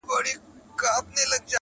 د لېوه له خولې به ولاړ سمه قصاب ته.!